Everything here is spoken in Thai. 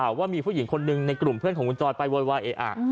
ว่ามีผู้หญิงคนหนึ่งในกลุ่มเพื่อนของคุณจอยไปโวยวายเออะ